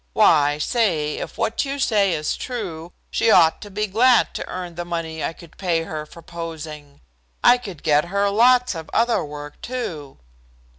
Why, say, if what you say is true, she ought to be glad to earn the money I could pay her for posing. I could get her lots of other work, too."